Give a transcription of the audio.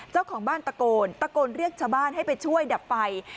เจ้าของบ้านตะโกนตะโกนเรียกชาวบ้านให้ไปช่วยดับไฟ